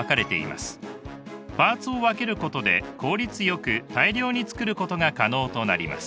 パーツを分けることで効率よく大量に作ることが可能となります。